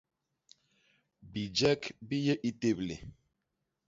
Bijek bi yé i téblé.